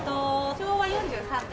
昭和４３年。